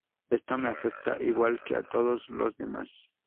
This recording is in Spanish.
Esto me afecta igual que a todos los demás".